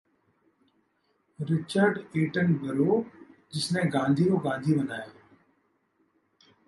Richard Attenborough: जिसने गांधी को ‘‘गांधी’’ बनाया